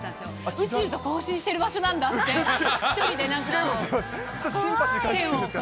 宇宙と交信してる場所なんだと、１人でなんか。